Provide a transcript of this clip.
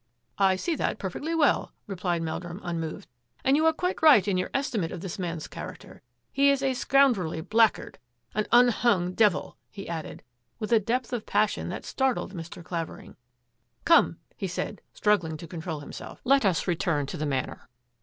"" I see that perfectly well," replied Meldrum, unmoved, " and you are quite right in your esti mate of this man's character. He is a scoundrelly blackguard, an unhung devil !" he added, with a depth of passion that startled Mr. Clavering. " Come !'* he said, struggling to control himself, " let us return to the Manor."